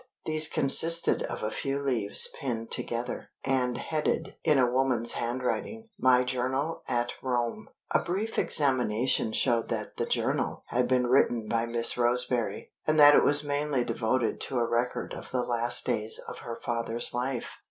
These consisted of a few leaves pinned together, and headed (in a woman's handwriting) "My Journal at Rome." A brief examination showed that the journal had been written by Miss Roseberry, and that it was mainly devoted to a record of the last days of her father's life.